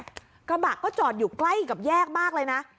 กระบะก็จอดอยู่ใกล้กับแยกมากเลยนะ